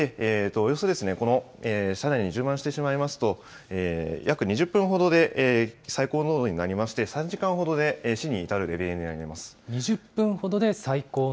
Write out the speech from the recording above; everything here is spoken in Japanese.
およそこの車内に充満してしまいますと、約２０分ほどで最高濃度になりまして、３時間ほどで死に至るレベルになります。